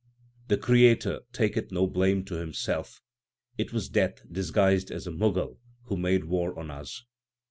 The Creator taketh no blame to Himself ; it was Death disguised as a Mughal who made war on us.